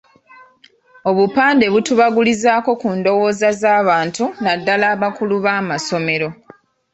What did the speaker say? Obupande butubagulizaako ku ndowooza z’abantu naddala abakulu b’amasomero.